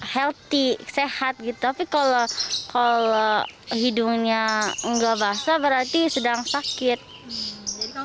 healthy sehat gitu tapi kalau kalau hidungnya enggak basah berarti sedang sakit jadi kalau